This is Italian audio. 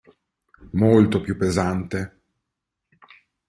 Molto più pesante.